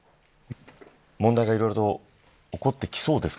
問題がいろいろと起こってきそうですか。